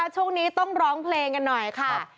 ช่วงนี้ต้องร้องเพลงกันหน่อยค่ะ